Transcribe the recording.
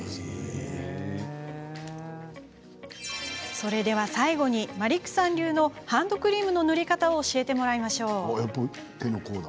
それでは最後にマリックさん流のハンドクリームの塗り方を教えてもらいましょう。